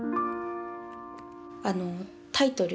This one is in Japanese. あのタイトル。